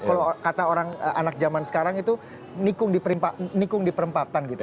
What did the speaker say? kalau kata orang anak zaman sekarang itu nikung nikung di perempatan gitu